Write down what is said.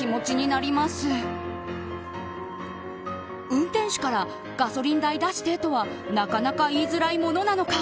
運転手からガソリン代出してとはなかなか言いづらいものなのか。